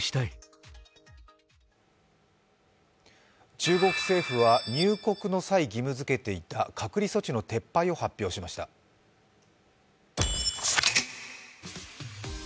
中国政府は入国の際、義務づけていた隔離措置の撤廃を発表しました。